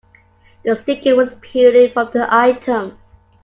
The sticker was peeling from the item.